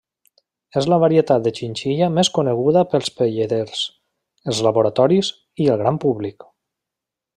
És la varietat de xinxilla més coneguda pels pelleters, els laboratoris i el gran públic.